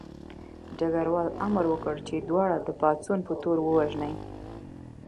ډګروال امر وکړ چې دواړه د پاڅون په تور ووژني